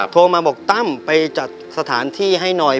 โทรมาบอกตั้มไปจัดสถานที่ให้หน่อย